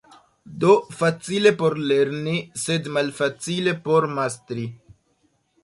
Do, facile por lerni, sed malfacile por mastri.